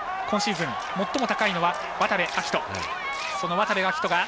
今シーズン、最も高いのは渡部暁斗。